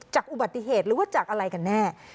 จากอุบัติเหตุหรือว่าจากอะไรกันแน่